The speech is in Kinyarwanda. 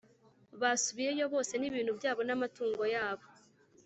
basubiyeyo bose n ibintu byabo n amaturo yabo